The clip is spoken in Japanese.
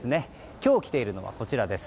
今日来ているのはこちらです。